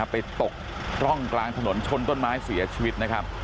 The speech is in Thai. ไปตกร่องกลางถนนชนต้นไม้เสียชีวิตนะครับ